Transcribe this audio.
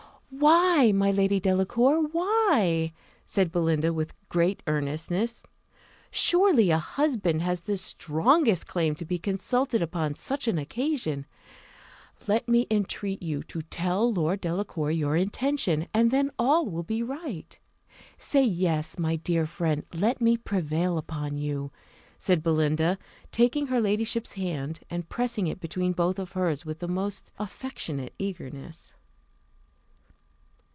"Why, my dear Lady Delacour, why?" said Belinda, with great earnestness. "Surely a husband has the strongest claim to be consulted upon such an occasion! Let me entreat you to tell Lord Delacour your intention, and then all will be right. Say Yes, my dear friend! let me prevail upon you," said Belinda, taking her ladyship's hand, and pressing it between both of hers with the most affectionate eagerness.